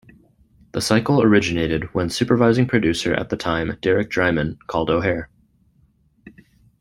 The cycle originated when supervising producer at the time Derek Drymon called O'Hare.